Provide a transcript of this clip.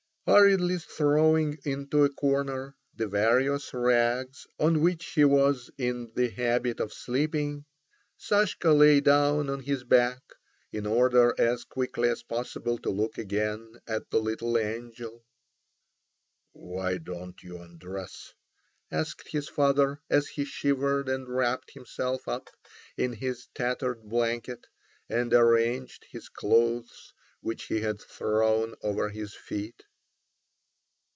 Hurriedly throwing into a corner the various rags on which he was in the habit of sleeping, Sashka lay down on his back, in order as quickly as possible to look again at the little angel. "Why don't you undress?" asked his father as he shivered and wrapped himself up in his tattered blanket, and arranged his clothes, which he had thrown over his feet.